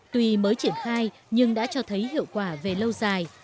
tuy mới triển khai nhưng đã cho thấy hiệu quả về lâu dài